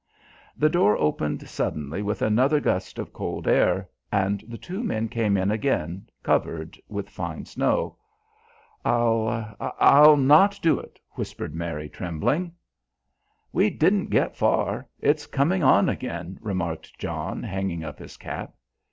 The door opened suddenly with another gust of cold air, and the two men came in again, covered with fine snow. "I I'll not do it," whispered Mary, trembling. "We didn't get far. It's coming on again," remarked John, hanging up his cap.